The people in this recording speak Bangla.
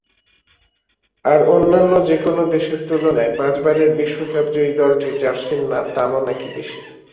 আর অন্যান্য যেকোনো দেশের তুলনায় পাঁচবারের বিশ্বকাপজয়ী দলটির জার্সির দামও নাকি বেশি।